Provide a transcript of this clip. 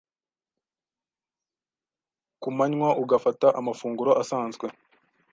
ku manywa ugafata amafunguro asanzwe.